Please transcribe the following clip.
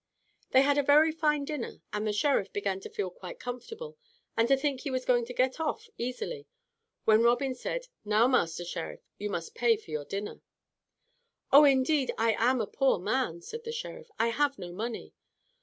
They had a very fine dinner, and the Sheriff began to feel quite comfortable and to think he was going to get off easily, when Robin said, "Now, Master Sheriff, you must pay for your dinner." "Oh! indeed I am a poor man," said the Sheriff, "I have no money."